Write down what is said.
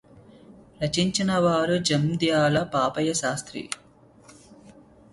రచించినవారు Jandhyala Papayya Sastry